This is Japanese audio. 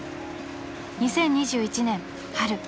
［２０２１年春］